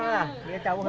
cawu siang ini cawu sukun